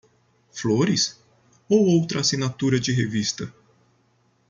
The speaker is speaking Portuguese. Flores? Ou outra assinatura de revista?